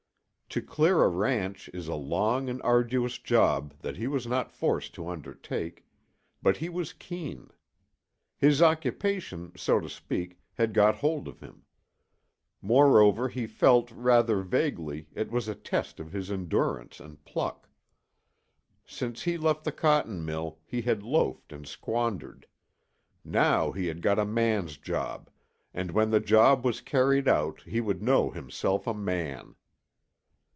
To clear a ranch is a long and arduous job that he was not forced to undertake; but he was keen. His occupation, so to speak, had got hold of him. Moreover he felt, rather vaguely, it was a test of his endurance and pluck. Since he left the cotton mill he had loafed and squandered; now he had got a man's job, and when the job was carried out he would know himself a man.